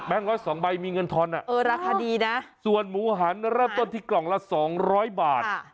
แบงค์๑๐๒ใบมีเงินทอนส่วนหมูหันราต้นที่กล่องละ๒๐๐บาท